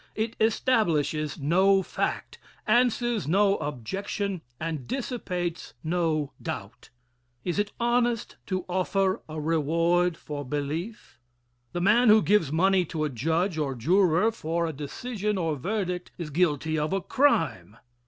It establishes no fact, answers no objection, and dissipates no doubt. Is it honest to offer a reward for belief? The man who gives money to a judge or juror for a decision or verdict is guilty of a crime.